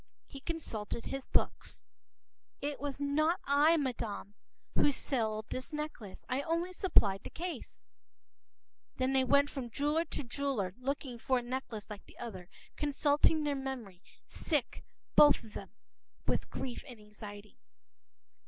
He consulted his books.“It was not I, madam, who sold this necklace. I only supplied the case.”Then they went from jeweler to jeweler, looking for a necklace like the other, consulting their memory,—sick both of them with grief and anxiety.